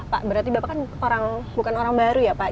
pak berarti bapak kan bukan orang baru ya pak